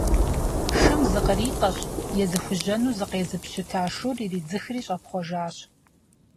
Шым зыкъритӏэщ, езыхужьэну зыкъезыпщыта шур иридзыхри щӏэпхъуэжащ.